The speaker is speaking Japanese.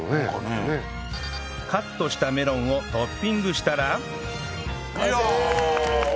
カットしたメロンをトッピングしたら完成！